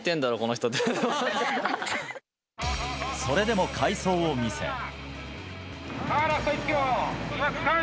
それでも快走を見せ。